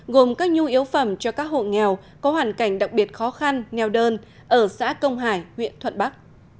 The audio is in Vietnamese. gồm các nhu yếu phẩm cho các hộ nghèo có hoàn cảnh đặc biệt khó khăn nèo đơn ở xã công hải huyện thuận bắc